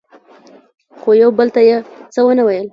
خو یو بل ته یې څه ونه ویل.